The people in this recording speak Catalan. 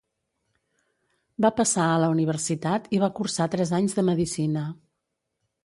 Va passar a la Universitat i va cursar tres anys de Medicina.